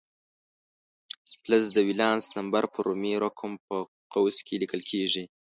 فلز د ولانس نمبر په رومي رقم په قوس کې لیکل کیږي.